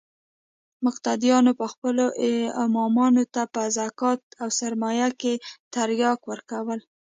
مقتديانو به خپلو امامانو ته په زکات او سرسايه کښې ترياک ورکول.